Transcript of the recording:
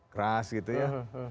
keras gitu ya